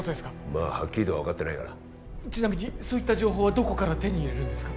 まあはっきりとは分かってないがちなみにそういった情報はどこから手に入れるんですか？